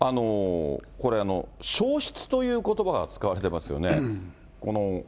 これ、消失ということばが使われてますよね。